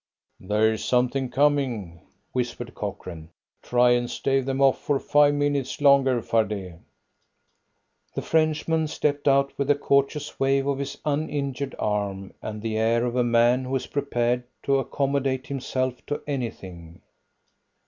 "There's something coming," whispered Cochrane. "Try and stave them off for five minutes longer, Fardet." The Frenchman stepped out with a courteous wave of his uninjured arm, and the air of a man who is prepared to accommodate himself to anything.